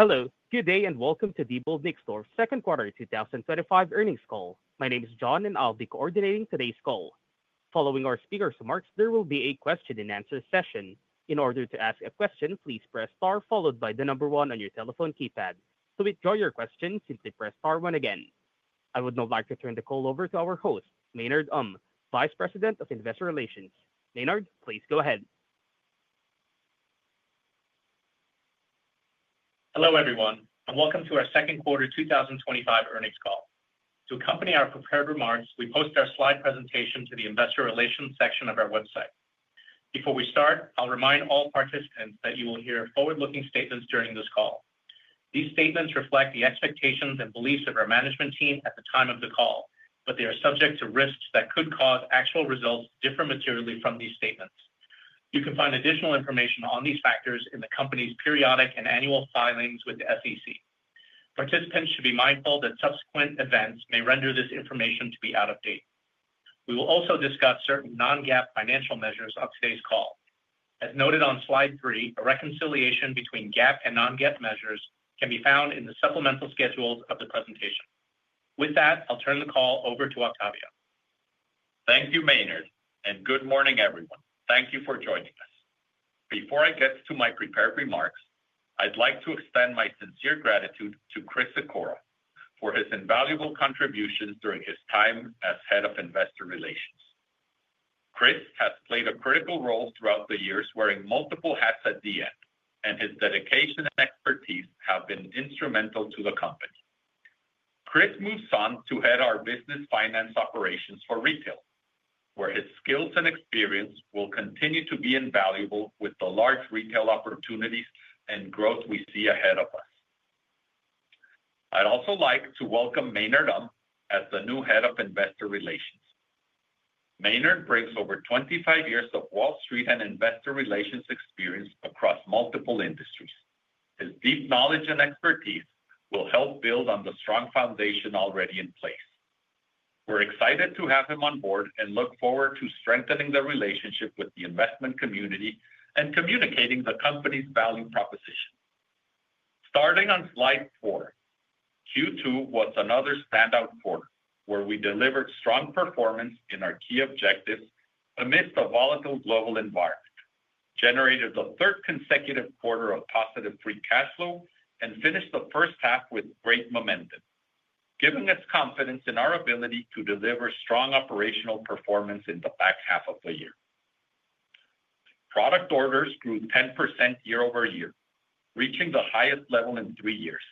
Hello, good day and welcome to Diebold Nixdorf's Second Quarter 2025 Earnings Call. My name is John and I'll be coordinating today's call. Following our speakers' remarks, there will be a question and answer session. In order to ask a question, please press star followed by the number one on your telephone keypad. To withdraw your question, simply press star one again. I would now like to turn the call over to our host, Maynard Um, Vice President of Investor Relations. Maynard, please go ahead. Hello everyone, and welcome to our second quarter 2025 earnings call. To accompany our prepared remarks, we posted our slide presentation to the Investor Relations section of our website. Before we start, I'll remind all participants that you will hear forward-looking statements during this call. These statements reflect the expectations and beliefs of our management team at the time of the call, but they are subject to risks that could cause actual results to differ materially from these statements. You can find additional information on these factors in the company's periodic and annual filings with the SEC. Participants should be mindful that subsequent events may render this information to be out of date. We will also discuss certain non-GAAP financial measures on today's call. As noted on slide three, a reconciliation between GAAP and non-GAAP measures can be found in the supplemental schedules of the presentation. With that, I'll turn the call over to Octavio. Thank you, Maynard, and good morning everyone. Thank you for joining us. Before I get to my prepared remarks, I'd like to extend my sincere gratitude to Chris Sikora for his invaluable contributions during his time as Head of Investor Relations. Chris has played a critical role throughout the years, wearing multiple hats at Diebold Nixdorf, and his dedication and expertise have been instrumental to the company. Chris moves on to head our business finance operations for retail, where his skills and experience will continue to be invaluable with the large retail opportunities and growth we see ahead of us. I'd also like to welcome Maynard as the new Head of Investor Relations. Maynard brings over 25 years of Wall Street and investor relations experience across multiple industries. His deep knowledge and expertise will help build on the strong foundation already in place. We're excited to have him on board and look forward to strengthening the relationship with the investment community and communicating the company's value proposition. Starting on slide four, Q2 was another standout quarter where we delivered strong performance in our key objectives amidst a volatile global environment, generated the third consecutive quarter of positive free cash flow, and finished the first half with great momentum, giving us confidence in our ability to deliver strong operational performance in the back half of the year. Product orders grew 10% year-over-year, reaching the highest level in three years.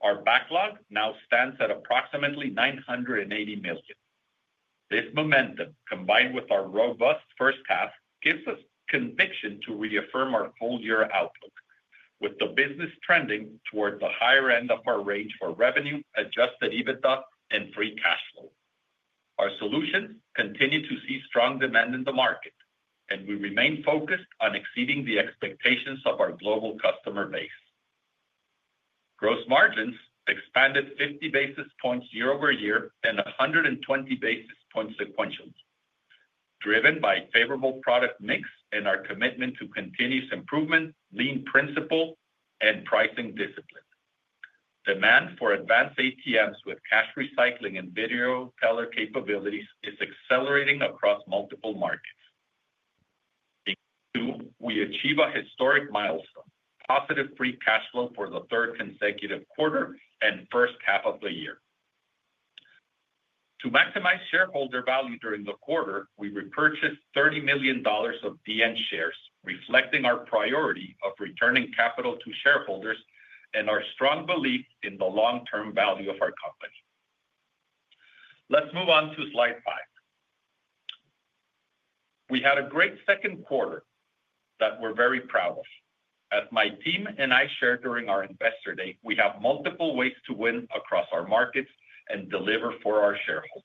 Our backlog now stands at approximately $980 million. This momentum, combined with our robust first half, gives us conviction to reaffirm our full-year outlook, with the business trending toward the higher end of our range for revenue, adjusted EBITDA, and free cash flow. Our solutions continue to see strong demand in the market, and we remain focused on exceeding the expectations of our global customer base. Gross margins expanded 50 basis points year-over-year and 120 basis points sequentially, driven by a favorable product mix and our commitment to continuous improvement, lean principle, and pricing discipline. Demand for advanced ATMs with cash recycling and video teller capabilities is accelerating across multiple markets. We achieved a historic milestone: positive free cash flow for the third consecutive quarter and first half of the year. To maximize shareholder value during the quarter, we repurchased $30 million of DN shares, reflecting our priority of returning capital to shareholders and our strong belief in the long-term value of our company. Let's move on to slide five. We had a great second quarter that we're very proud of. As my team and I shared during our Investor Day, we have multiple ways to win across our markets and deliver for our shareholders.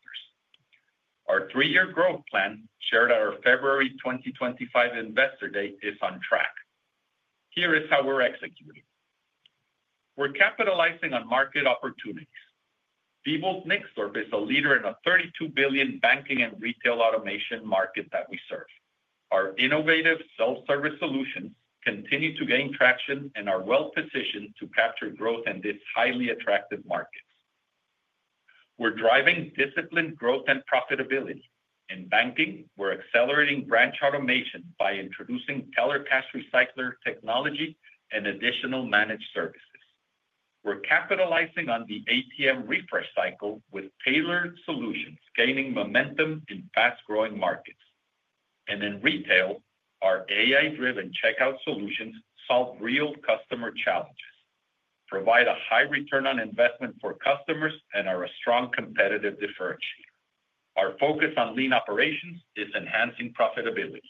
Our three-year growth plan shared at our February 2025 Investor Day is on track. Here is how we're executing. We're capitalizing on market opportunities. Diebold Nixdorf is a leader in a $32 billion banking and retail automation market that we serve. Our innovative self-service solutions continue to gain traction and are well positioned to capture growth in this highly attractive market. We're driving disciplined growth and profitability. In banking, we're accelerating branch automation by introducing teller cash recycler technology and additional managed services. We're capitalizing on the ATM refresh cycle with tailored solutions, gaining momentum in fast-growing markets. In retail, our AI-driven checkout solutions solve real customer challenges, provide a high return on investment for customers, and are a strong competitive differentiator. Our focus on lean operations is enhancing profitability.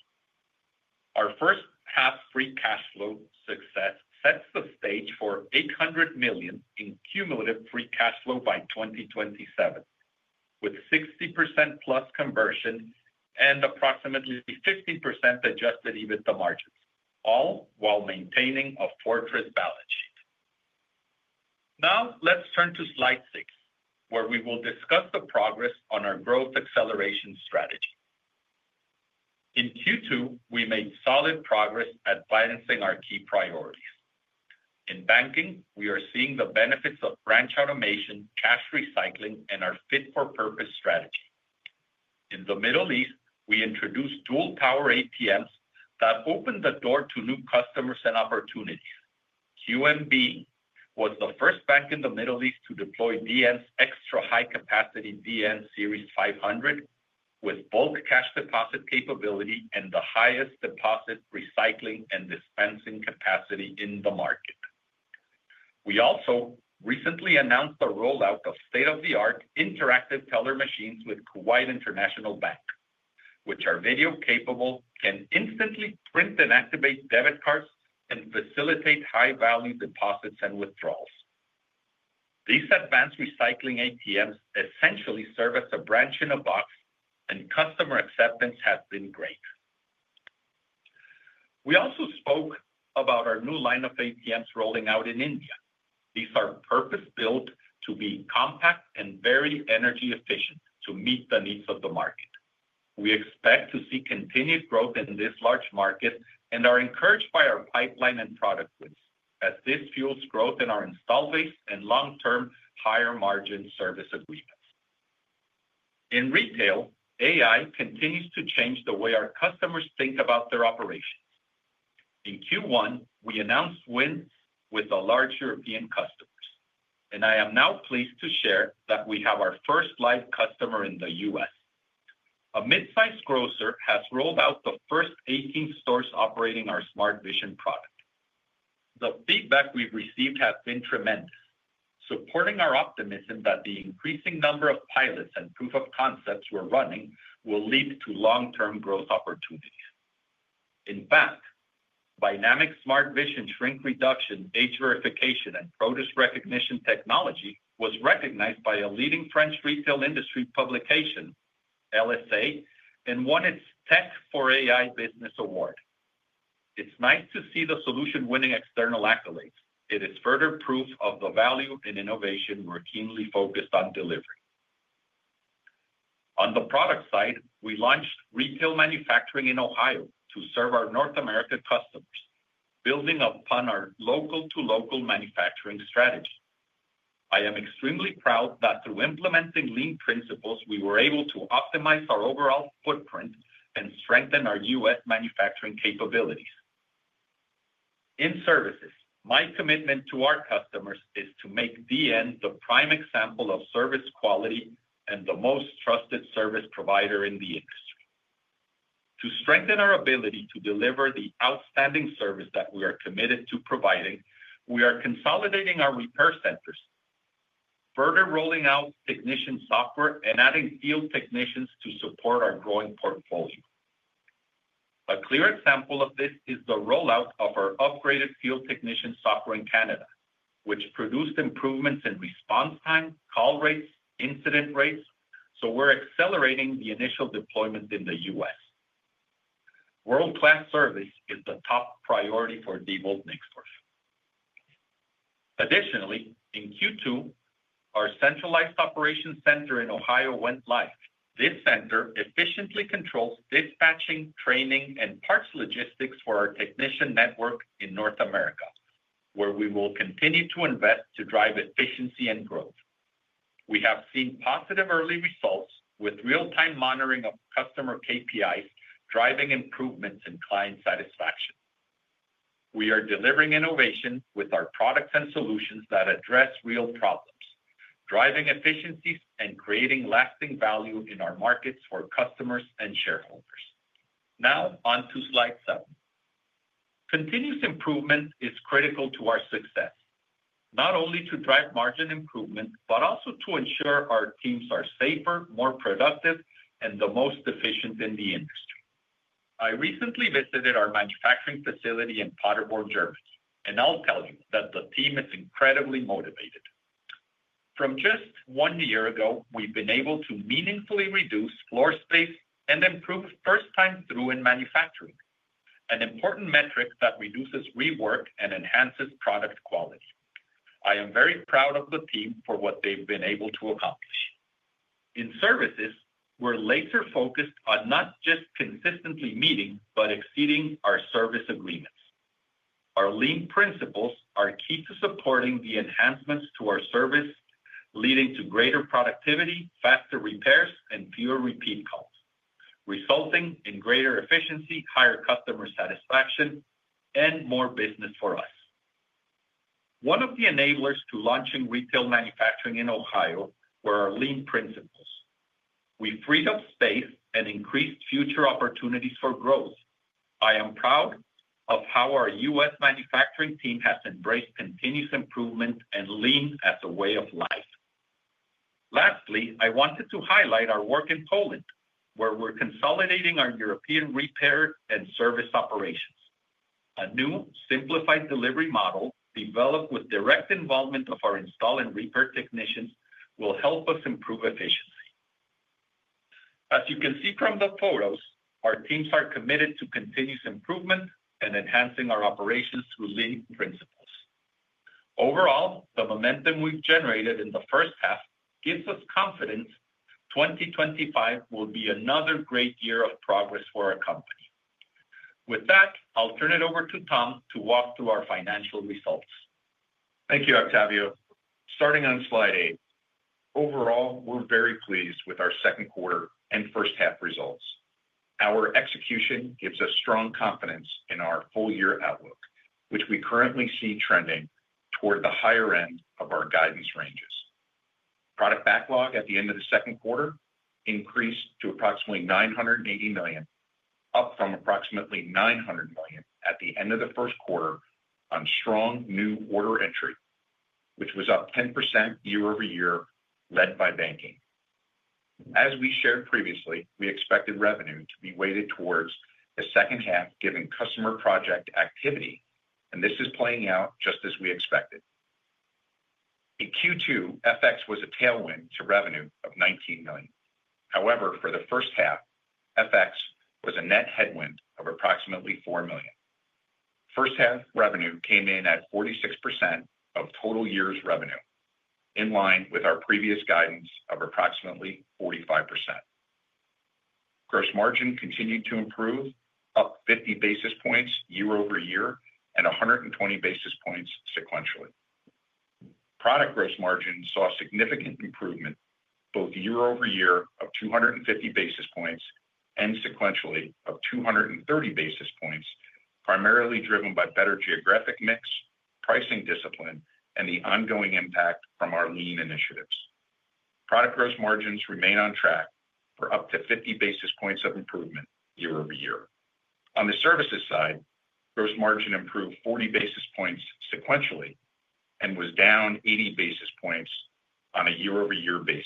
Our first half free cash flow success sets the stage for $800 million in cumulative free cash flow by 2027, with 60%+ conversion and approximately 15% adjusted EBITDA margins, all while maintaining a fortress balance sheet. Now let's turn to slide six, where we will discuss the progress on our growth acceleration strategy. In Q2, we made solid progress at balancing our key priorities. In banking, we are seeing the benefits of branch automation, cash recycling, and our fit-for-purpose strategy. In the Middle East, we introduced dual tower ATMs that opened the door to new customers and opportunities. UNB was the first bank in the Middle East to deploy DN's extra high-capacity DN Series 500, with both cash deposit capability and the highest deposit recycling and dispensing capacity in the market. We also recently announced the rollout of state-of-the-art interactive teller machines with Kuwait International Bank, which are video capable, can instantly print and activate debit cards, and facilitate high-value deposits and withdrawals. These advanced recycling ATMs essentially serve as a branch in a box, and customer acceptance has been great. We also spoke about our new line of ATMs rolling out in India. These are purpose-built to be compact and very energy efficient to meet the needs of the market. We expect to see continued growth in this large market and are encouraged by our pipeline and product lists, as this fuels growth in our install base and long-term higher margin service agreements. In retail, AI continues to change the way our customers think about their operations. In Q1, we announced a win with a large European customer, and I am now pleased to share that we have our first live customer in the U.S. A mid-sized grocer has rolled out the first 18 stores operating our Smart Vision pilots. The feedback we've received has been tremendous, supporting our optimism that the increasing number of pilots and proof of concepts we're running will lead to long-term growth opportunities. In fact, Vynamic Smart Vision shrink reduction, age verification, and produce recognition technology was recognized by a leading French retail industry publication, LSA, and won its Tech for AI Business Award. It's nice to see the solution winning external accolades. It is further proof of the value and innovation we're keenly focused on delivering. On the product side, we launched retail manufacturing in Ohio to serve our North American customers, building upon our local-to-local manufacturing strategy. I am extremely proud that through implementing lean principles, we were able to optimize our overall footprint and strengthen our U.S. manufacturing capabilities. In services, my commitment to our customers is to make DN the prime example of service quality and the most trusted service provider in the industry. To strengthen our ability to deliver the outstanding service that we are committed to providing, we are consolidating our repair centers, further rolling out technician software, and adding field technicians to support our growing portfolio. A clear example of this is the rollout of our upgraded field technician software in Canada, which produced improvements in response times, call rates, and incident rates. We're accelerating the initial deployment in the U.S. World-class service is the top priority for Diebold Nixdorf. Additionally, in Q2, our centralized operations center in Ohio went live. This center efficiently controls dispatching, training, and parts logistics for our technician network in North America, where we will continue to invest to drive efficiency and growth. We have seen positive early results with real-time monitoring of customer KPIs, driving improvements in client satisfaction. We are delivering innovation with our products and solutions that address real problems, driving efficiencies and creating lasting value in our markets for customers and shareholders. Now on to slide seven. Continuous improvement is critical to our success, not only to drive margin improvement, but also to ensure our teams are safer, more productive, and the most efficient in the industry. I recently visited our manufacturing facility in Paderborn, Germany, and I'll tell you that the team is incredibly motivated. From just one year ago, we've been able to meaningfully reduce floor space and improve first time through in manufacturing, an important metric that reduces rework and enhances product quality. I am very proud of the team for what they've been able to accomplish. In services, we're laser-focused on not just consistently meeting, but exceeding our service agreements. Our lean principles are key to supporting the enhancements to our service, leading to greater productivity, faster repairs, and fewer repeat calls, resulting in greater efficiency, higher customer satisfaction, and more business for us. One of the enablers to launch in retail manufacturing in Ohio were our lean principles. We freed up space and increased future opportunities for growth. I am proud of how our U.S. manufacturing team has embraced continuous improvement and lean as a way of life. Lastly, I wanted to highlight our work in Poland, where we're consolidating our European repair and service operations. A new simplified delivery model developed with direct involvement of our install and repair technicians will help us improve efficiency. As you can see from the photos, our teams are committed to continuous improvement and enhancing our operations through lean principles. Overall, the momentum we've generated in the first half gives us confidence that 2025 will be another great year of progress for our company. With that, I'll turn it over to Tom to walk through our financial results. Thank you, Octavio. Starting on slide eight, overall, we're very pleased with our second quarter and first half results. Our execution gives us strong confidence in our full-year outlook, which we currently see trending toward the higher end of our guidance ranges. Product backlog at the end of the second quarter increased to approximately $980 million, up from approximately $900 million at the end of the first quarter on strong new order entry, which was up 10% year-over-year, led by banking. As we shared previously, we expected revenue to be weighted toward the second half, given customer project activity, and this is playing out just as we expected. In Q2, FX was a tailwind to revenue of $19 million. However, for the first half, FX was a net headwind of approximately $4 million. First half revenue came in at 46% of total year's revenue, in line with our previous guidance of approximately 45%. Gross margin continued to improve 50 basis points year-over-year and 120 basis points sequentially. Product gross margin saw significant improvement, both year-over-year of 250 basis points and sequentially of 230 basis points, primarily driven by better geographic mix, pricing discipline, and the ongoing impact from our lean initiatives. Product gross margins remain on track for up to 50 basis points of improvement year-over-year. On the services side, gross margin improved 40 basis points sequentially and was down 80 basis points on a year-over-year basis.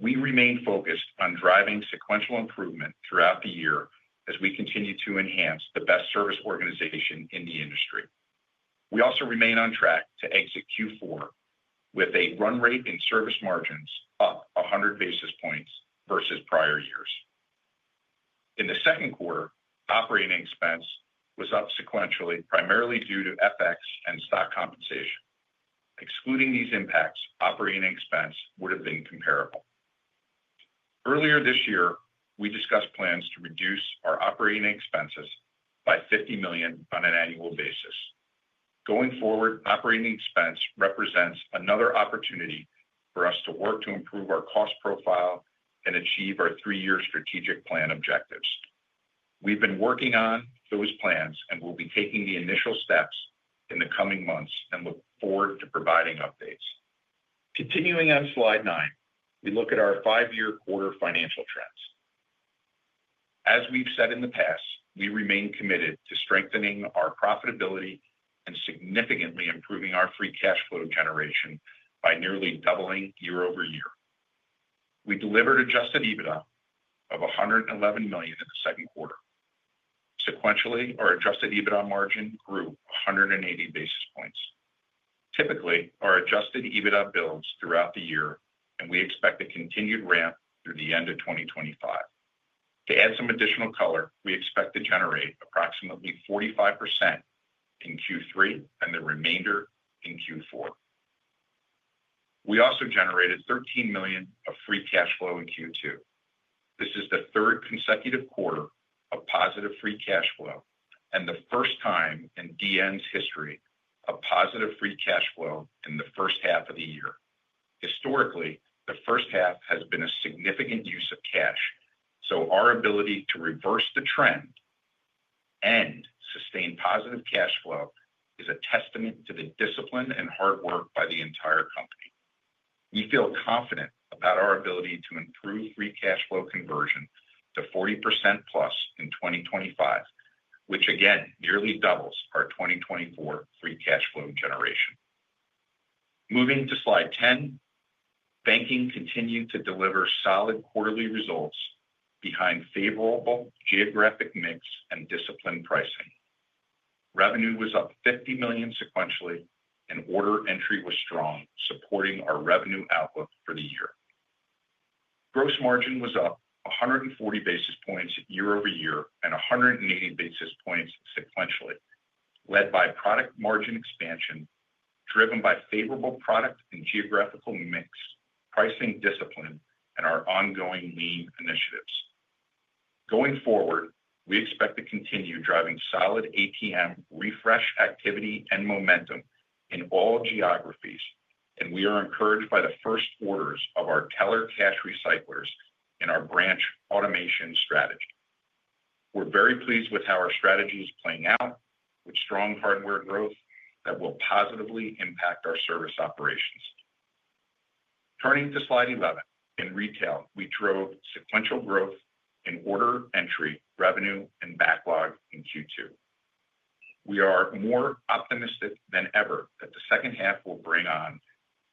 We remain focused on driving sequential improvement throughout the year as we continue to enhance the best service organization in the industry. We also remain on track to exit Q4 with a run rate in service margins of 100 basis points versus prior years. In the second quarter, operating expense was up sequentially, primarily due to FX and stock compensation. Excluding these impacts, operating expense would have been comparable. Earlier this year, we discussed plans to reduce our operating expenses by $50 million on an annual basis. Going forward, operating expense represents another opportunity for us to work to improve our cost profile and achieve our three-year strategic plan objectives. We've been working on those plans and will be taking the initial steps in the coming months and look forward to providing updates. Continuing on slide nine, we look at our five-year quarter financial trends. As we've said in the past, we remain committed to strengthening our profitability and significantly improving our free cash flow generation by nearly doubling year-over-year. We delivered adjusted EBITDA of $111 million in the second quarter. Sequentially, our adjusted EBITDA margin grew 180 basis points. Typically, our adjusted EBITDA builds throughout the year, and we expect a continued ramp through the end of 2025. To add some additional color, we expect to generate approximately 45% in Q3 and the remainder in Q4. We also generated $13 million of free cash flow in Q2. This is the third consecutive quarter of positive free cash flow and the first time in DN's history of positive free cash flow in the first half of the year. Historically, the first half has been a significant use of cash, so our ability to reverse the trend and sustain positive cash flow is a testament to the discipline and hard work by the entire company. We feel confident about our ability to improve free cash flow conversion to 40%+ in 2025, which again nearly doubles our 2024 free cash flow generation. Moving to slide 10, banking continued to deliver solid quarterly results behind favorable geographic mix and disciplined pricing. Revenue was up $50 million sequentially, and order entry was strong, supporting our revenue outlook for the year. Gross margin was up 140 basis points year-over-year and 180 basis points sequentially, led by product margin expansion, driven by favorable product and geographical mix, pricing discipline, and our ongoing lean initiatives. Going forward, we expect to continue driving solid ATM refresh activity and momentum in all geographies, and we are encouraged by the first orders of our teller cash recyclers in our branch automation strategy. We're very pleased with how our strategy is playing out, with strong hardware growth that will positively impact our service operations. Turning to slide 11, in retail, we drove sequential growth in order entry, revenue, and backlog in Q2. We are more optimistic than ever that the second half will bring on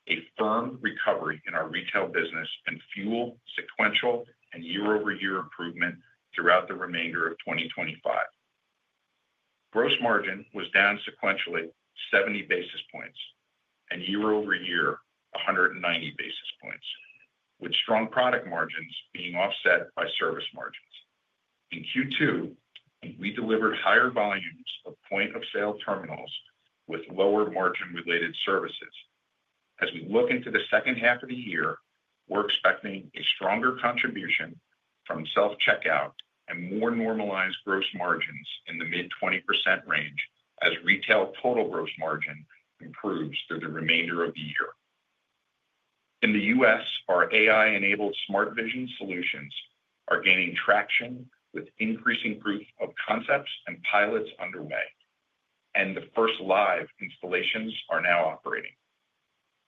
a firm recovery in our retail business and fuel sequential and year-over-year improvement throughout the remainder of 2025. Gross margin was down sequentially 70 basis points and year-over-year 190 basis points, with strong product margins being offset by service margins. In Q2, we delivered higher volumes of point-of-sale terminals with lower margin-related services. As we look into the second half of the year, we're expecting a stronger contribution from self-checkout and more normalized gross margins in the mid-20% range as retail total gross margin improves through the remainder of the year. In the U.S., our AI-enabled Smart Vision solution is gaining traction with increasing proof of concepts and pilots underway, and the first live installations are now operating.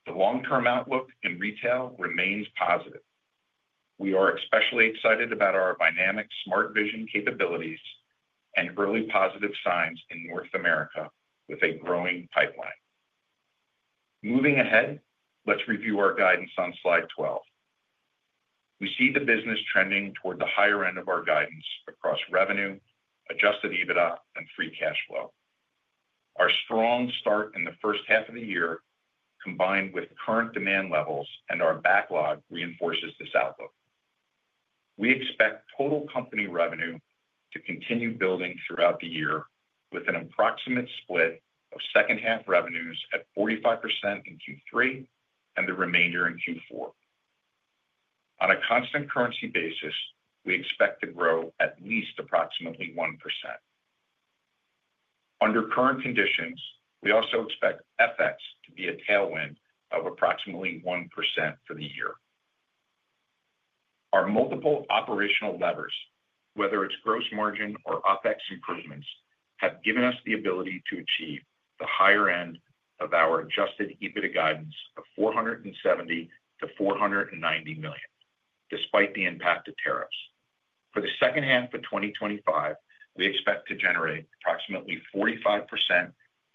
The long-term outlook in retail remains positive. We are especially excited about our Vynamic Smart Vision capabilities and early positive signs in North America with a growing pipeline. Moving ahead, let's review our guidance on slide 12. We see the business trending toward the higher end of our guidance across revenue, adjusted EBITDA, and free cash flow. Our strong start in the first half of the year, combined with current demand levels and our backlog, reinforces this outlook. We expect total company revenue to continue building throughout the year, with an approximate split of second half revenues at 45% in Q3 and the remainder in Q4. On a constant currency basis, we expect to grow at least approximately 1%. Under current conditions, we also expect FX to be a tailwind of approximately 1% for the year. Our multiple operational levers, whether it's gross margin or OpEx improvements, have given us the ability to achieve the higher end of our adjusted EBITDA guidance of $470 million-$490 million, despite the impact of tariffs. For the second half of 2025, we expect to generate approximately 45%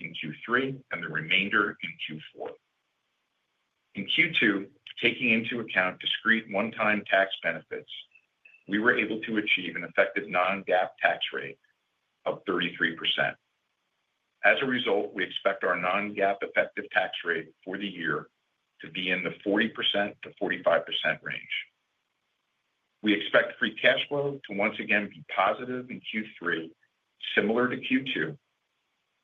in Q3 and the remainder in Q4. In Q2, taking into account discrete one-time tax benefits, we were able to achieve an effective non-GAAP tax rate of 33%. As a result, we expect our non-GAAP effective tax rate for the year to be in the 40%-45% range. We expect free cash flow to once again be positive in Q3, similar to Q2.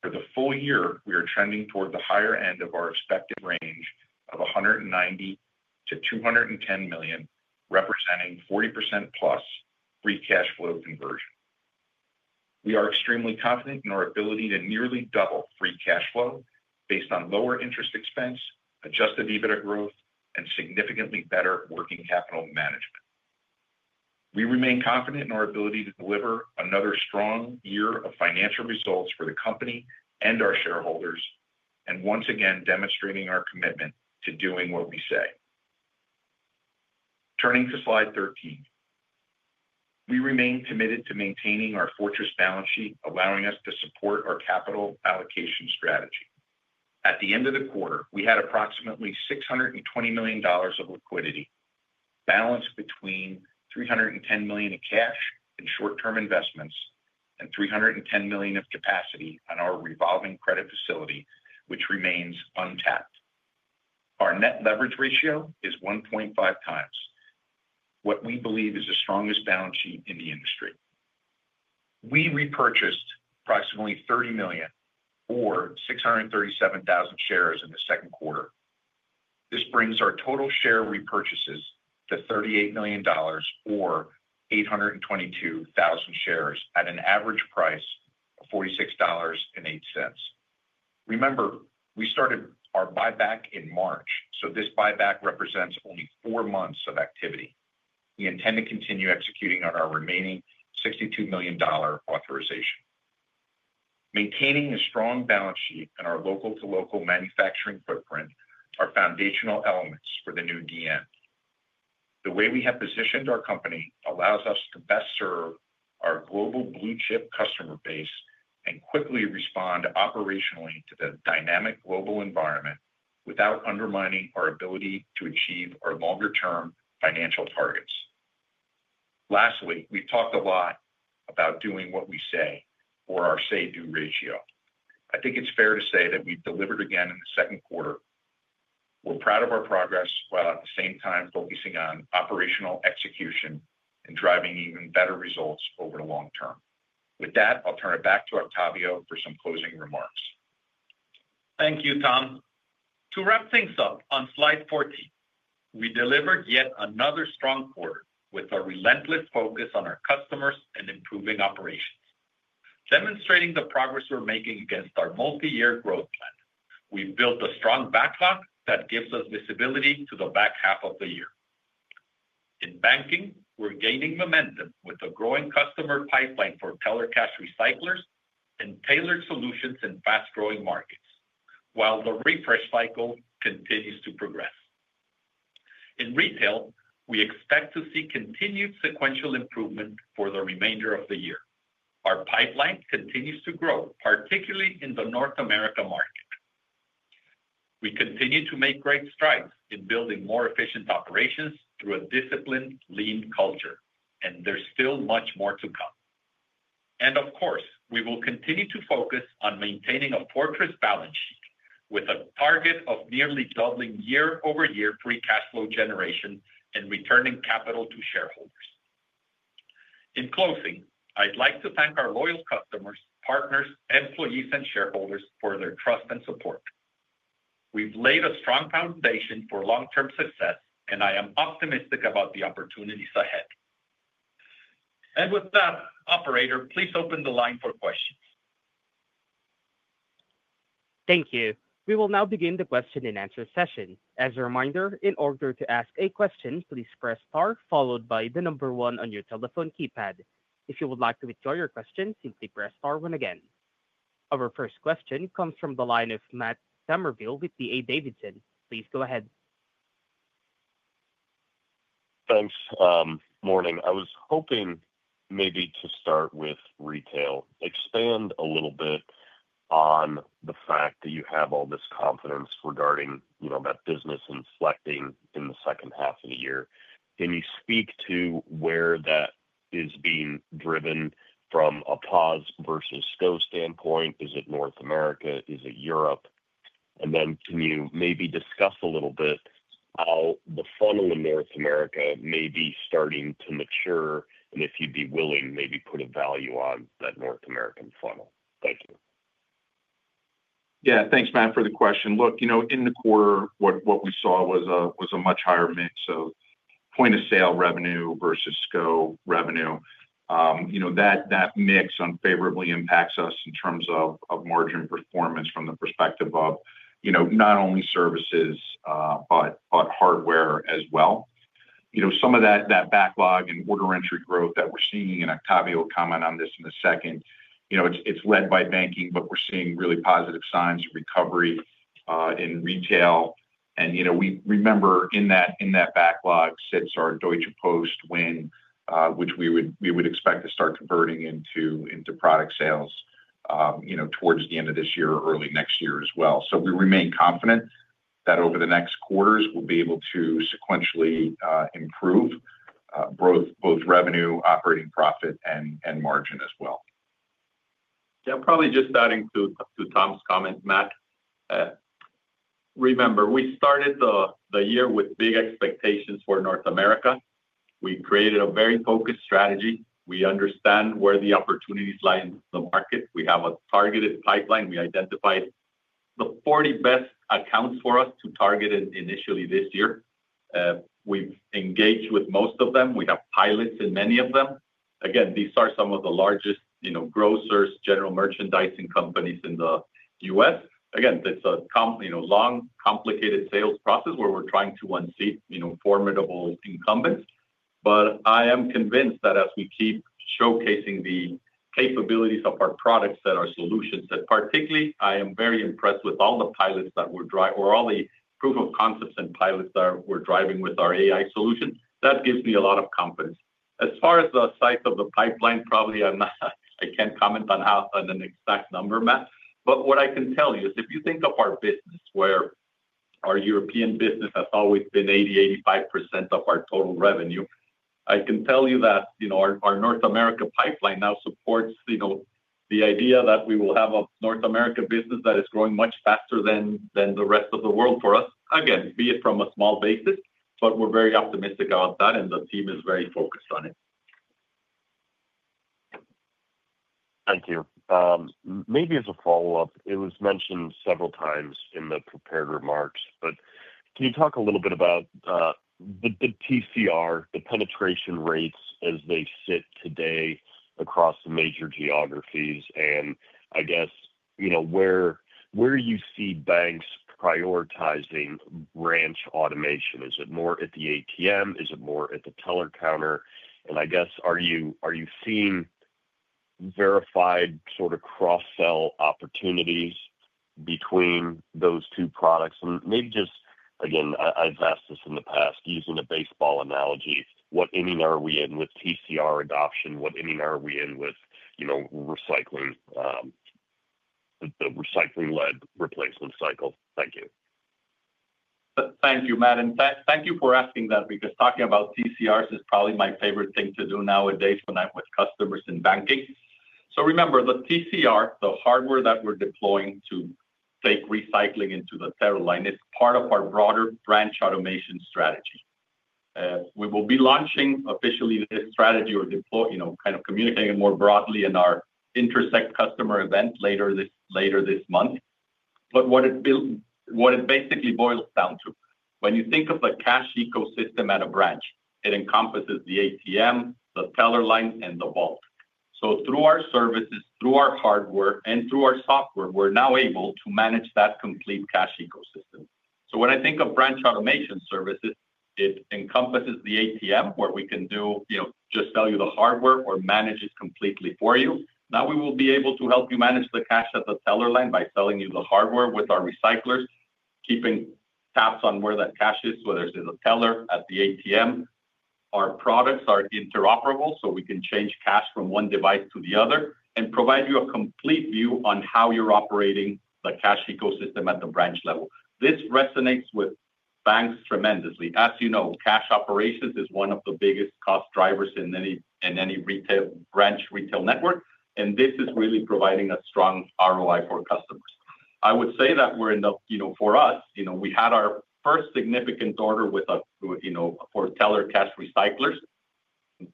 For the full year, we are trending toward the higher end of our expected range of $190 million-$210 million, representing 40%+ free cash flow conversion. We are extremely confident in our ability to nearly double free cash flow based on lower interest expense, adjusted EBITDA growth, and significantly better working capital management. We remain confident in our ability to deliver another strong year of financial results for the company and our shareholders, and once again demonstrating our commitment to doing what we say. Turning to slide 13, we remain committed to maintaining our fortress balance sheet, allowing us to support our capital allocation strategy. At the end of the quarter, we had approximately $620 million of liquidity balanced between $310 million of cash in short-term investments and $310 million of capacity on our revolving credit facility, which remains untapped. Our net leverage ratio is 1.5x what we believe is the strongest balance sheet in the industry. We repurchased approximately $30 million or 637,000 shares in the second quarter. This brings our total share repurchases to $38 million or 822,000 shares at an average price of $46.08. Remember, we started our buyback in March, so this buyback represents only four months of activity. We intend to continue executing on our remaining $62 million authorization. Maintaining a strong balance sheet and our local-to-local manufacturing footprint are foundational elements for the new DN. The way we have positioned our company allows us to best serve our global blue-chip customer base and quickly respond operationally to the dynamic global environment without undermining our ability to achieve our longer-term financial targets. Lastly, we've talked a lot about doing what we say for our say-to-do ratio. I think it's fair to say that we've delivered again in the second quarter. We're proud of our progress while at the same time focusing on operational execution and driving even better results over the long term. With that, I'll turn it back to Octavio for some closing remarks. Thank you, Tom. To wrap things up, on slide 14, we delivered yet another strong quarter with a relentless focus on our customers and improving operations, demonstrating the progress we're making against our multi-year growth plan. We've built a strong backlog that gives us visibility to the back half of the year. In banking, we're gaining momentum with a growing customer pipeline for teller cash recyclers and tailored solutions in fast-growing markets, while the refresh cycle continues to progress. In retail, we expect to see continued sequential improvement for the remainder of the year. Our pipeline continues to grow, particularly in the North America market. We continue to make great strides in building more efficient operations through a disciplined, lean culture, and there's still much more to come. Of course, we will continue to focus on maintaining a fortress balance sheet with a target of nearly doubling year-over-year free cash flow generation and returning capital to shareholders. In closing, I'd like to thank our loyal customers, partners, employees, and shareholders for their trust and support. We've laid a strong foundation for long-term success, and I am optimistic about the opportunities ahead. Operator, please open the line for questions. Thank you. We will now begin the question and answer session. As a reminder, in order to ask a question, please press star followed by the number one on your telephone keypad. If you would like to withdraw your question, simply press star one again. Our first question comes from the line of Matt Summerville with D.A. Davidson. Please go ahead. Thanks. Morning. I was hoping maybe to start with retail. Expand a little bit on the fact that you have all this confidence regarding, you know, that business inflecting in the second half of the year. Can you speak to where that is being driven from a PAS versus SCO standpoint? Is it North America? Is it Europe? Can you maybe discuss a little bit how the funnel in North America may be starting to mature? If you'd be willing, maybe put a value on that North American funnel. Thank you. Yeah, thanks, Matt, for the question. In the quarter, what we saw was a much higher mix. Point-of-sale revenue versus SCO revenue, that mix unfavorably impacts us in terms of margin performance from the perspective of not only services, but hardware as well. Some of that backlog and order entry growth that we're seeing, and Octavio will comment on this in a second, is led by banking, but we're seeing really positive signs of recovery in retail. We remember in that backlog since our Deutsche Post wing, which we would expect to start converting into product sales towards the end of this year or early next year as well. We remain confident that over the next quarters, we'll be able to sequentially improve both revenue, operating profit, and margin as well. Yeah, I'll probably just add to Tom's comment, Matt. Remember, we started the year with big expectations for North America. We created a very focused strategy. We understand where the opportunities lie in the market. We have a targeted pipeline. We identified the 40 best accounts for us to target initially this year. We've engaged with most of them. We have pilots in many of them. These are some of the largest, you know, grocers, general merchandising companies in the U.S. It's a long, complicated sales process where we're trying to unseat, you know, formidable incumbents. I am convinced that as we keep showcasing the capabilities of our products and our solutions, particularly I am very impressed with all the pilots that we're driving or all the proof of concepts and pilots that we're driving with our AI solution. That gives me a lot of confidence. As far as the size of the pipeline, probably I'm not, I can't comment on an exact number, Matt. What I can tell you is if you think of our business, where our European business has always been 80%-85% of our total revenue, I can tell you that our North America pipeline now supports the idea that we will have a North America business that is growing much faster than the rest of the world for us. Be it from a small basis, but we're very optimistic about that, and the team is very focused on it. Thank you. Maybe as a follow-up, it was mentioned several times in the prepared remarks, but can you talk a little bit about the TCR, the penetration rates as they sit today across the major geographies? I guess, you know, where you see banks prioritizing branch automation? Is it more at the ATM? Is it more at the teller counter? I guess, are you seeing verified sort of cross-sell opportunities between those two products? Maybe just, again, I've asked this in the past, using a baseball analogy, what inning are we in with TCR adoption? What inning are we in with, you know, recycling, the recycling lead replacement cycle? Thank you. Thank you, Matt. Thank you for asking that because talking about TCRs is probably my favorite thing to do nowadays when I'm with customers in banking. Remember, the TCR, the hardware that we're deploying to take recycling into the teller line, is part of our broader branch automation strategy. We will be launching officially this strategy or deploying, you know, kind of communicating it more broadly in our Intersect customer event later this month. What it basically boils down to, when you think of the cash ecosystem at a branch, it encompasses the ATM, the teller line, and the vault. Through our services, our hardware, and our software, we're now able to manage that complete cash ecosystem. When I think of branch automation services, it encompasses the ATM, where we can just sell you the hardware or manage it completely for you. Now we will be able to help you manage the cash at the teller line by selling you the hardware with our recyclers, keeping tabs on where that cash is, whether it is a teller or at the ATM. Our products are interoperable, so we can change cash from one device to the other and provide you a complete view on how you're operating the cash ecosystem at the branch level. This resonates with banks tremendously. As you know, cash operations is one of the biggest cost drivers in any retail branch network, and this is really providing a strong ROI for customers. I would say that for us, we had our first significant order for teller cash recyclers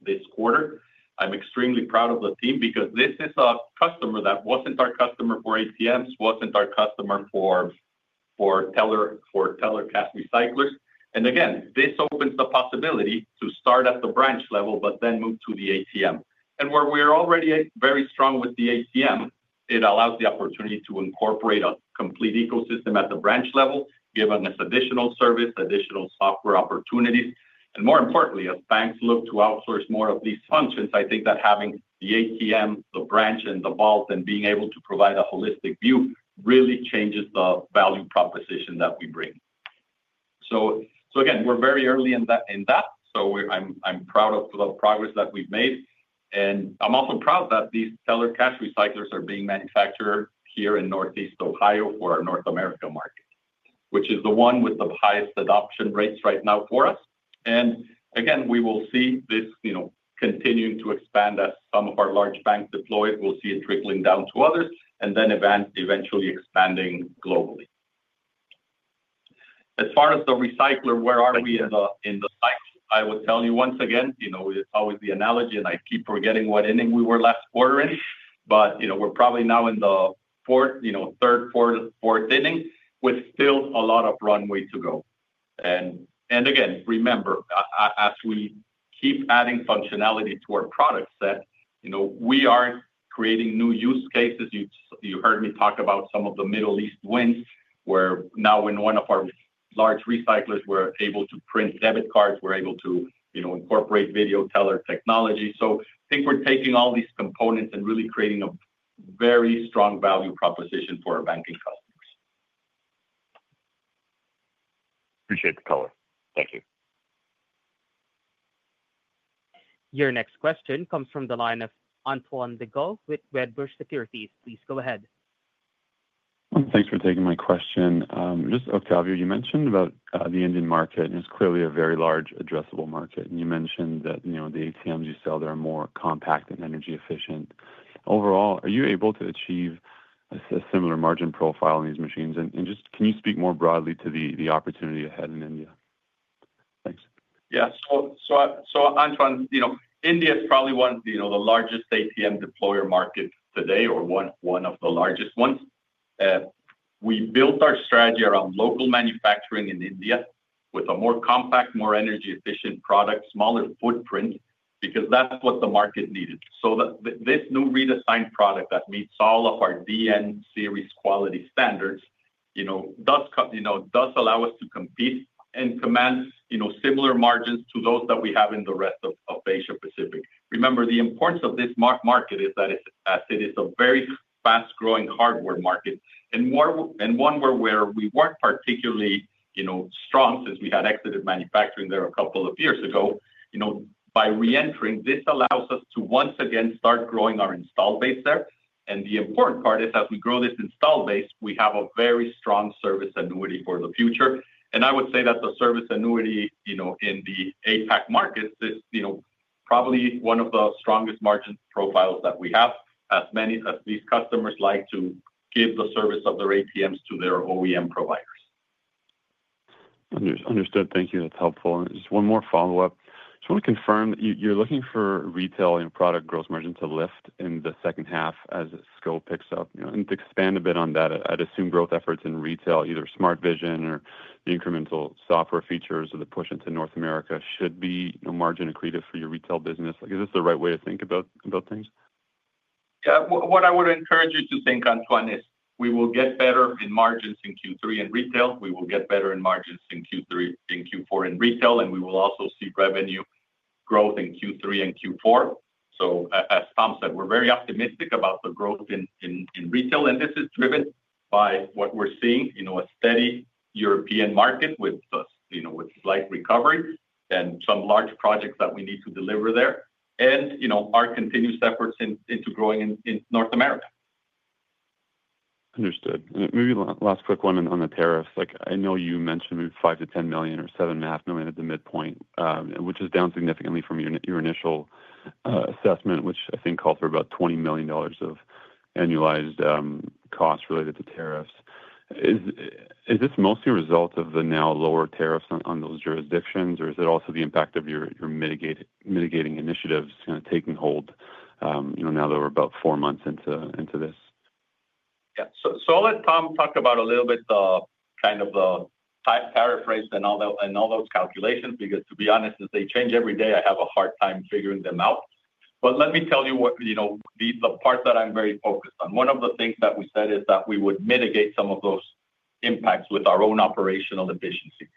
this quarter. I'm extremely proud of the team because this is a customer that wasn't our customer for ATMs, wasn't our customer for teller cash recyclers. This opens the possibility to start at the branch level, then move to the ATM. Where we are already very strong with the ATM, it allows the opportunity to incorporate a complete ecosystem at the branch level, giving us additional service and additional software opportunities. More importantly, as banks look to outsource more of these functions, I think that having the ATM, the branch, and the vault, and being able to provide a holistic view really changes the value proposition that we bring. We're very early in that, so I'm proud of the progress that we've made. I'm also proud that these teller cash recyclers are being manufactured here in Northeast Ohio for our North America market, which is the one with the highest adoption rates right now for us. We will see this continuing to expand as some of our large banks deploy it. We'll see it trickling down to others and eventually expanding globally. As far as the recycler, where are we in the fight? I will tell you once again, it's always the analogy, and I keep forgetting what inning we were last quarter in. We're probably now in the third, fourth inning with still a lot of runway to go. Remember, as we keep adding functionality to our product set, we are creating new use cases. You heard me talk about some of the Middle East wins, where now in one of our large recyclers, we're able to print debit cards, we're able to incorporate video teller technology. I think we're taking all these components and really creating a very strong value proposition for our banking customers. Appreciate the color. Thank you. Your next question comes from the line of Antoine Legault withWedbush Securities. Please go ahead. Thanks for taking my question. Octavio, you mentioned about the Indian market, and it's clearly a very large addressable market. You mentioned that the ATMs you sell there are more compact and energy efficient. Overall, are you able to achieve a similar margin profile in these machines? Can you speak more broadly to the opportunity ahead in India? Yeah, so Antoine, India is probably one of the largest ATM deployer markets today or one of the largest ones. We built our strategy around local manufacturing in India with a more compact, more energy-efficient product, smaller footprint because that's what the market needed. This new redesigned product that meets all of our DN Series quality standards does allow us to compete and command similar margins to those that we have in the rest of Asia-Pacific. Remember, the importance of this market is that it is a very fast-growing hardware market and one where we weren't particularly strong since we had exited manufacturing there a couple of years ago. By reentering, this allows us to once again start growing our install base there. The important part is that as we grow this install base, we have a very strong service annuity for the future. I would say that the service annuity in the APAC market is probably one of the strongest margin profiles that we have, as many of these customers like to give the service of their ATMs to their OEM providers. Understood. Thank you. That's helpful. Just one more follow-up. I just want to confirm that you're looking for retail and product gross margin to lift in the second half as SCO picks up. To expand a bit on that, I'd assume growth efforts in retail, either Smart Vision or incremental software features or the push into North America should be margin accretive for your retail business. Is this the right way to think about things? Yeah, what I would encourage you to think, Antoine, is we will get better in margins in Q3 in retail. We will get better in margins in Q4 in retail, and we will also see revenue growth in Q3 and Q4. As Tom said, we're very optimistic about the growth in retail, and this is driven by what we're seeing, you know, a steady European market with slight recovery and some large projects that we need to deliver there. Our continuous efforts into growing in North America. Understood. Maybe last quick one on the tariffs. I know you mentioned maybe $5 million-$10 million or $7.5 million at the midpoint, which is down significantly from your initial assessment, which I think called for about $20 million of annualized costs related to tariffs. Is this mostly a result of the now lower tariffs on those jurisdictions, or is it also the impact of your mitigating initiatives kind of taking hold, now that we're about four months into this? Yeah, I'll let Tom talk a little bit about the kind of the paraphrase and all those calculations because, to be honest, as they change every day, I have a hard time figuring them out. Let me tell you what the part is that I'm very focused on. One of the things that we said is that we would mitigate some of those impacts with our own operational efficiency.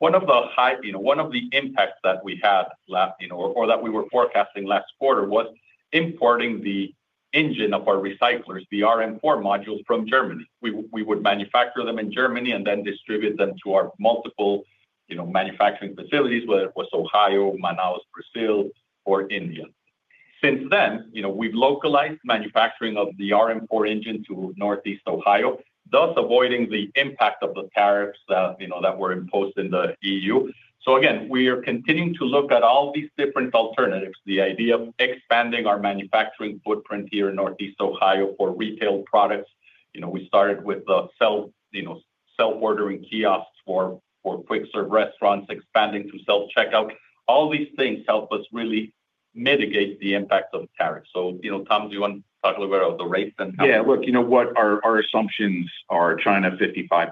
One of the impacts that we had left, or that we were forecasting last quarter, was importing the engine of our recyclers, the RM4 modules from Germany. We would manufacture them in Germany and then distribute them to our multiple manufacturing facilities, whether it was Ohio, Manaus, Brazil, or India. Since then, we've localized manufacturing of the RM4 engine to Northeast Ohio, thus avoiding the impact of the tariffs that were imposed in the EU. We are continuing to look at all these different alternatives. The idea of expanding our manufacturing footprint here in Northeast Ohio for retail products started with the self-ordering kiosks for quick-serve restaurants, expanding to self-checkout. All these things help us really mitigate the impact of tariffs. Tom, do you want to talk a little bit about the rates? Yeah, look, you know what our assumptions are, China at 55%,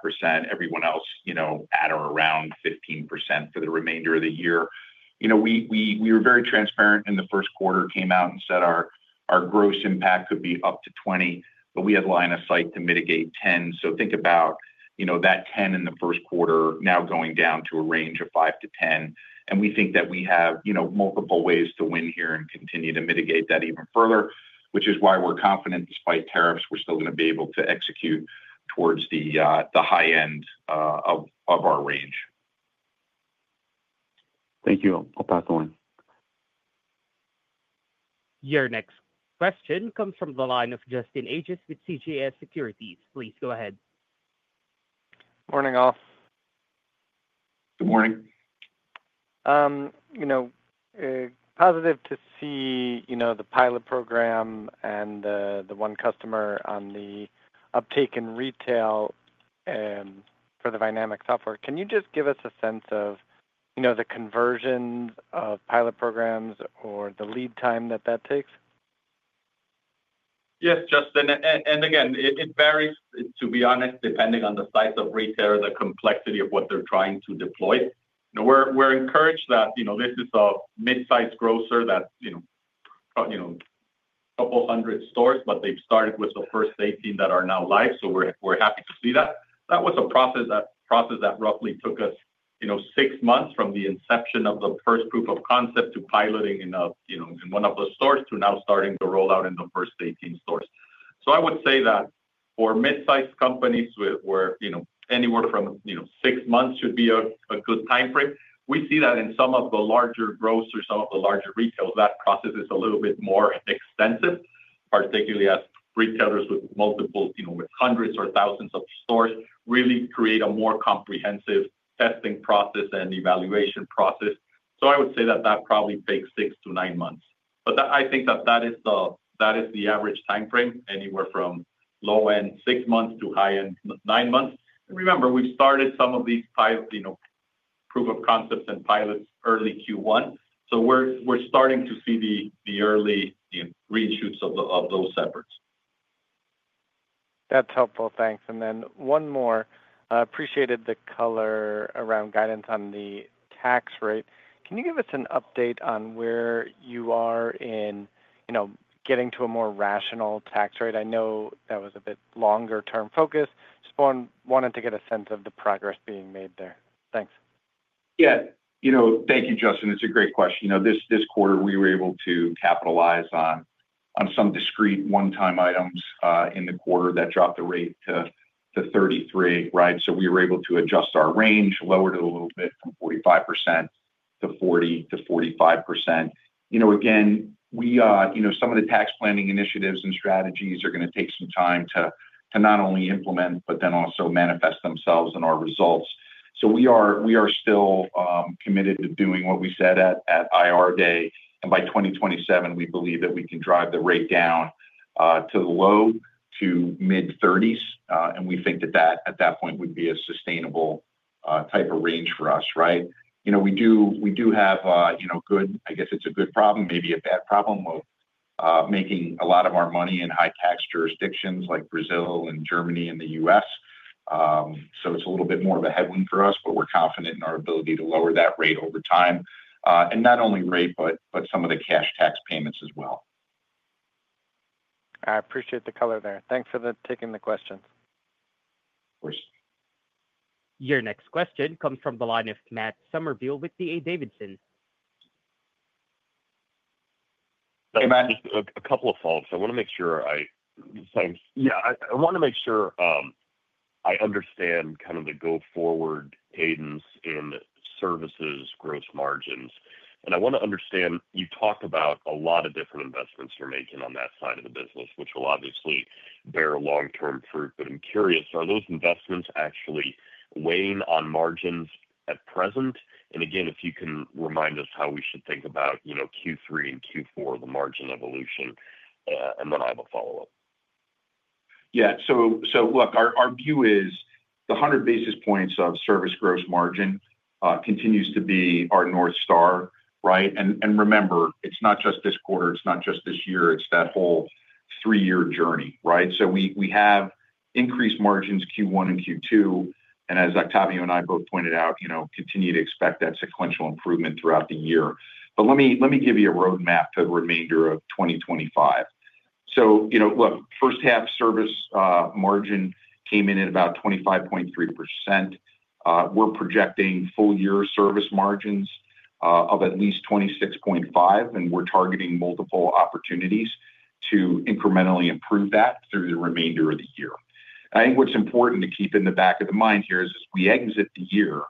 everyone else, you know, at or around 15% for the remainder of the year. You know, we were very transparent in the first quarter, came out and said our gross impact could be up to 20%, but we had line of sight to mitigate 10%. Think about, you know, that 10% in the first quarter now going down to a range of 5%-10%. We think that we have, you know, multiple ways to win here and continue to mitigate that even further, which is why we're confident despite tariffs, we're still going to be able to execute towards the high end of our range. Thank you, Octavio. Your next question comes from the line of Justin Ages with CJS Securities. Please go ahead. Morning off. Good morning. Positive to see the pilot program and the one customer on the uptake in retail for the Vynamic software. Can you give us a sense of the conversion of pilot programs or the lead time that takes? Yes, Justin. It varies, to be honest, depending on the size of retailer, the complexity of what they're trying to deploy. We're encouraged that this is a mid-sized grocer with a couple hundred stores, but they've started with the first 18 that are now live. We're happy to see that. That was a process that roughly took us six months from the inception of the first proof of concept to piloting in one of the stores to now starting the rollout in the first 18 stores. I would say that for mid-sized companies, anywhere from six months should be a good timeframe. We see that in some of the larger growth or some of the larger retailers, that process is a little bit more extensive, particularly as retailers with multiple hundreds or thousands of stores really create a more comprehensive testing process and evaluation process. I would say that probably takes six to nine months. I think that is the average timeframe, anywhere from low-end six months to high-end nine months. Remember, we've started some of these five proof of concepts and pilots early Q1. We're starting to see the early reinsurance of those efforts. That's helpful. Thanks. One more. I appreciated the color around guidance on the tax rate. Can you give us an update on where you are in getting to a more rational tax rate? I know that was a bit longer-term focus. Just wanted to get a sense of the progress being made there. Thanks. Yeah, thank you, Justin. It's a great question. This quarter, we were able to capitalize on some discrete one-time items in the quarter that dropped the rate to 33%, right? We were able to adjust our range, lower it a little bit from 45%-40% to 45%. Again, some of the tax planning initiatives and strategies are going to take some time to not only implement, but also manifest themselves in our results. We are still committed to doing what we said at IR Day. By 2027, we believe that we can drive the rate down to the low to mid-30s. We think that at that point it would be a sustainable type of range for us, right? We do have, I guess it's a good problem, maybe a bad problem of making a lot of our money in high tax jurisdictions like Brazil and Germany and the U.S. It's a little bit more of a headwind for us, but we're confident in our ability to lower that rate over time, and not only rate, but some of the cash tax payments as well. I appreciate the color there. Thanks for taking the questions. Your next question comes from the line of Matt Summerville with D.A. Davidson. Hey, Matt, just a couple of follow-ups. I want to make sure I understand kind of the go-forward cadence in services gross margins. I want to understand, you talked about a lot of different investments you're making on that side of the business, which will obviously bear long-term fruit. I'm curious, are those investments actually weighing on margins at present? If you can remind us how we should think about Q3 and Q4, the margin evolution, I have a follow-up. Yeah, look, our view is the 100 basis points of service gross margin continues to be our North Star, right? Remember, it's not just this quarter, it's not just this year, it's that whole three-year journey, right? We have increased margins Q1 and Q2. As Octavio and I both pointed out, you know, continue to expect that sequential improvement throughout the year. Let me give you a roadmap to the remainder of 2025. First half service margin came in at about 25.3%. We're projecting full-year service margins of at least 26.5%, and we're targeting multiple opportunities to incrementally improve that through the remainder of the year. I think what's important to keep in the back of the mind here is as we exit the year,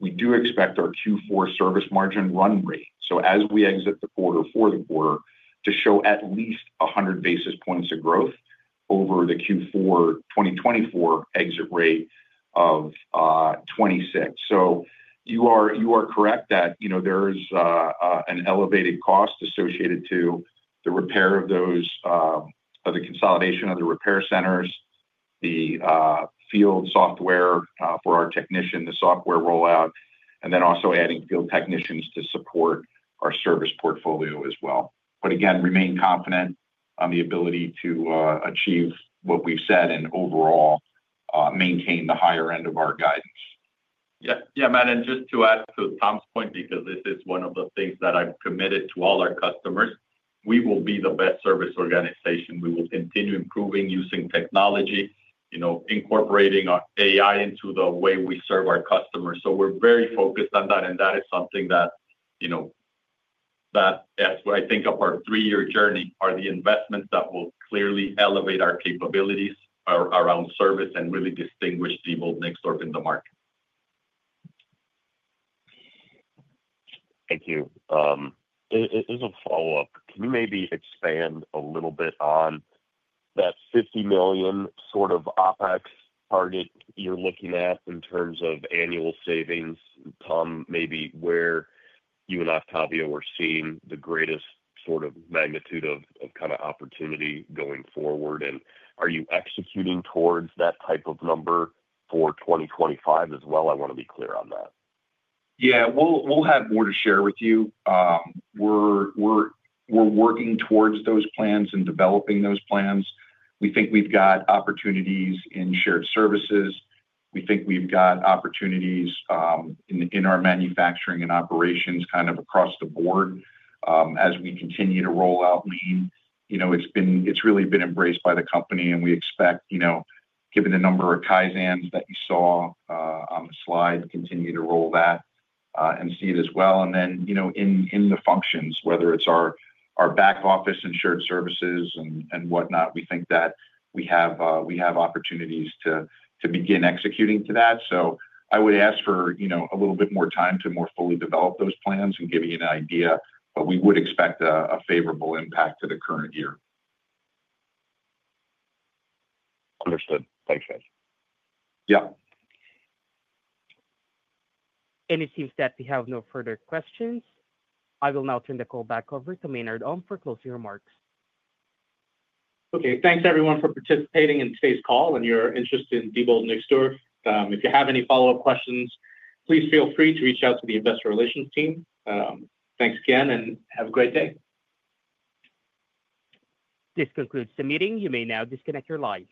we do expect our Q4 service margin run rate, so as we exit the quarter for the quarter, to show at least 100 basis points of growth over the Q4 2024 exit rate of 26%. You are correct that, you know, there is an elevated cost associated to the repair of those, of the consolidation of the repair centers, the field software for our technician, the software rollout, and then also adding field technicians to support our service portfolio as well. Again, remain confident on the ability to achieve what we've said and overall maintain the higher end of our guidance. Yeah, Matt, and just to add to Tom's point, because this is one of the things that I'm committed to all our customers, we will be the best service organization. We will continue improving using technology, incorporating our AI into the way we serve our customers. We are very focused on that, and that is something that, as I think of our three-year journey, are the investments that will clearly elevate our capabilities around service and really distinguish Diebold Nixdorf in the market. Thank you. As a follow-up, can you maybe expand a little bit on that $50 million sort of OpEx target you're looking at in terms of annual savings? Tom, maybe where you and Octavio are seeing the greatest sort of magnitude of kind of opportunity going forward, and are you executing towards that type of number for 2025 as well? I want to be clear on that. Yeah, we'll have more to share with you. We're working towards those plans and developing those plans. We think we've got opportunities in shared services. We think we've got opportunities in our manufacturing and operations kind of across the board as we continue to roll out. It's really been embraced by the company, and we expect, given the number of Kaizens that you saw on the slide, to continue to roll that and see it as well. In the functions, whether it's our back office, insured services, and whatnot, we think that we have opportunities to begin executing to that. I would ask for a little bit more time to more fully develop those plans and give you an idea, but we would expect a favorable impact to the current year. Understood. Thanks, guys. Yeah. It seems that we have no further questions. I will now turn the call back over to Maynard for closing remarks. Okay, thanks everyone for participating in today's call and your interest in Diebold Nixdorf. If you have any follow-up questions, please feel free to reach out to the investor relations team. Thanks again, and have a great day. This concludes the meeting. You may now disconnect your lines.